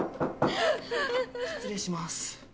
失礼します。